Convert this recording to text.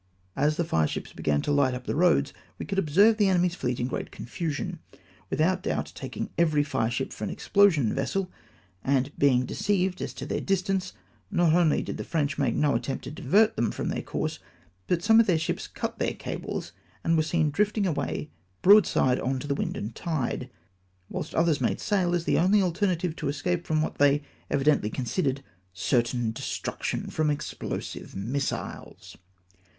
As the fireships began to hght up the roads, we could observe the enemy's fleet in great confusion. Without doubt, taking every fireship for an explosion vessel, and being deceived as to their distance, not only did the French make no attempt to divert them from their course, but some of then sliips cut their cables and were seen di'ifting away broadside on to the wind and tide — wliilst others made sail, as the only alternative to escape from what they evidently considered certain destruction from explosive missiles